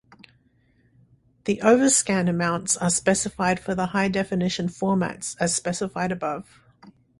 The overscan amounts are specified for the high definition formats as specified above.